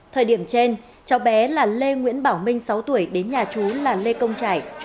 thời điểm trên cháu bé là lê nguyễn bảo minh sáu tuổi đến nhà chú là lê công trải